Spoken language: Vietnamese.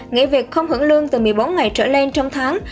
nghỉ việc không hưởng lương từ một mươi bốn ngày trở lên trong tháng